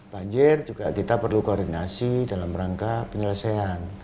banjir juga kita perlu koordinasi dalam rangka penyelesaian